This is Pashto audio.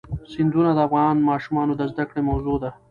سیندونه د افغان ماشومانو د زده کړې موضوع ده.